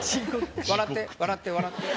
笑って笑って笑って。